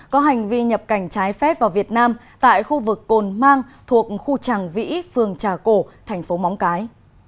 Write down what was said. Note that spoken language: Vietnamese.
có hành vi nhập cảnh trái phép vào việt nam tại khu vực cồn mang thuộc khu tràng vĩ phường trà cổ thành phố móng cái